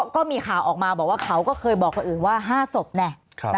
ก็มีข่าวออกมาบอกว่าเขาก็เคยบอกคนอื่นว่า๕ศพแน่